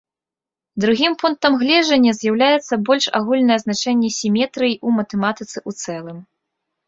Другім пунктам гледжання з'яўляецца больш агульнае значэнне сіметрыі ў матэматыцы ў цэлым.